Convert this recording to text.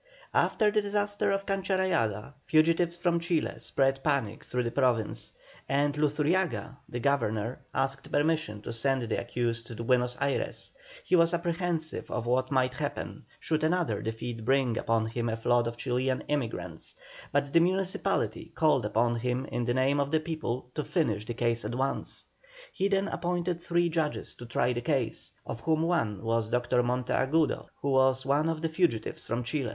After the disaster of Cancha Rayada fugitives from Chile spread panic through the province, and Luzuriaga, the Governor, asked permission to send the accused to Buenos Ayres; he was apprehensive of what might happen should another defeat bring upon him a flood of Chilian emigrants, but the municipality called upon him in the name of the people to finish the case at once. He then appointed three judges to try the case, of whom one was Dr. Monteagudo, who was one of the fugitives from Chile.